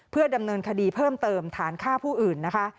เพื่อดำเนินคดีเพิ่มเติมฐานฆ่าผู้อื่นนะคะ